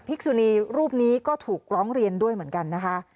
กษุนีรูปนี้ก็ถูกร้องเรียนด้วยเหมือนกันนะคะ